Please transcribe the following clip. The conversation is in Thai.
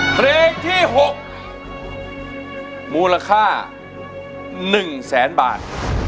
เพลงที่๖มูลค่า๑แสนบาท